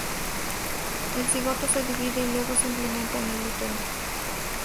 El cigoto se divide y luego se implanta en el útero.